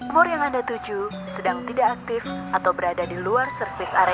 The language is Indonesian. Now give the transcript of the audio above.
umur yang anda tujuh sedang tidak aktif atau berada di luar servis area